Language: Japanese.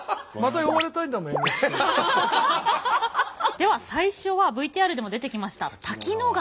では最初はＶＴＲでも出てきました滝野川。